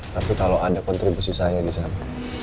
tapi kalau ada kontribusi saya di sana